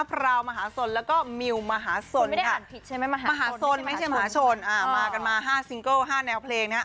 พราวมหาสนแล้วก็มิวมหาสนมหาสนไม่ใช่มหาชนมากันมา๕ซิงเกิล๕แนวเพลงนะฮะ